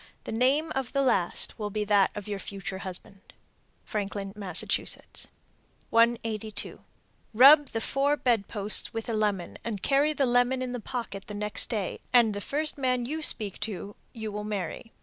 The name of the last will be that of your future husband. Franklin, Mass. 182. Rub the four bed posts with a lemon and carry the lemon in the pocket the next day, and the first man you speak to you will marry.